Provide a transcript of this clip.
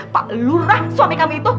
pak lurah suami kami itu